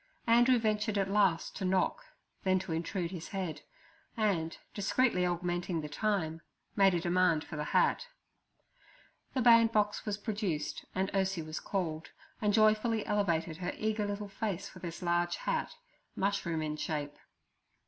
Andrew ventured at last to knock, then to intrude his head, and, discreetly augmenting the time, made a demand for the hat. The bandbox was produced, and Ursie was called, and joyfully elevated her eager little face for this large hat, mushroom in shape.